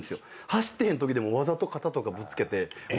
走ってへんときでもわざと肩とかぶつけて。